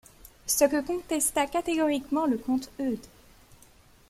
Ce que contesta catégoriquement le comte Eudes.